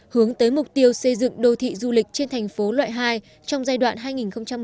hướng tới mục tiêu xây dựng đô thị du lịch trên thành phố loại hai trong giai đoạn hai nghìn một mươi tám hai nghìn hai mươi